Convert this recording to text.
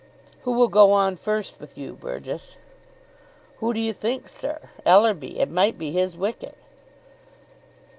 "Who will go on first with you, Burgess?" "Who do you think, sir? Ellerby? It might be his wicket."